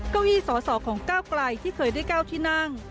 เก้าอี้สอสอของก้าวไกลที่เคยได้๙ที่นั่ง